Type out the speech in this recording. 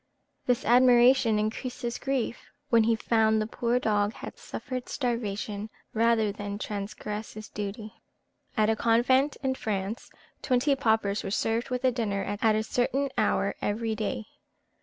This admiration increased his grief, when he found the poor dog had suffered starvation rather than transgress his duty. At a convent in France, twenty paupers were served with a dinner at a certain hour every day.